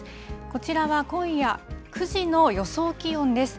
こちらは今夜９時の予想気温です。